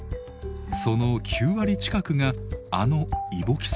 その９割近くがあのイボキサゴ。